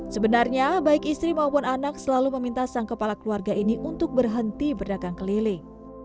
sebenarnya baik istri maupun anak selalu meminta sang kepala keluarga ini untuk berhenti berdagang keliling